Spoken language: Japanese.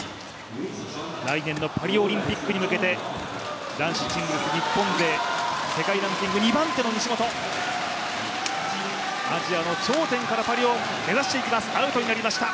来年のパリオリンピックに向けて男子シングルス日本勢世界ランキング２番手の西本アジアの頂点からパリを目指していく。